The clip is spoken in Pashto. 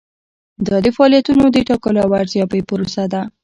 دا د فعالیتونو د ټاکلو او ارزیابۍ پروسه ده.